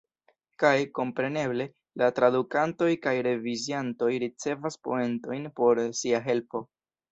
Kaj, kompreneble, la tradukantoj kaj reviziantoj ricevas poentojn por sia helpo.